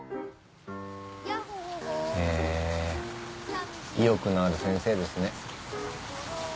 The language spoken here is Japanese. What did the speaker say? へぇ意欲のある先生ですね。